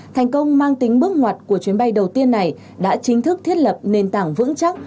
thành công mang tính bước ngoặt của chuyến bay đầu tiên này đã chính thức thiết lập nền tảng vững chắc